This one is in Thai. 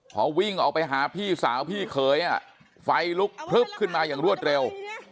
พอวิ่งออกไปหาพี่สาวพี่เขยไฟลุกพลึบขึ้นมาอย่างรวดเร็ว